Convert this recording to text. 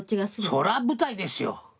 そら舞台ですよ。